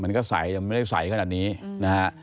มันก็ไม่ได้ใสขนาดนี้นะคะ